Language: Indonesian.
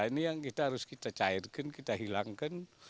ini yang kita harus kita cairkan kita hilangkan